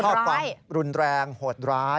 ข้อความรุนแรงโหดร้าย